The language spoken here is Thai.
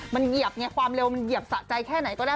มันเหยียบไงความเร็วมันเหยียบสะใจแค่ไหนก็ได้